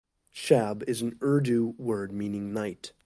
"Shab" is an Urdu word meaning night.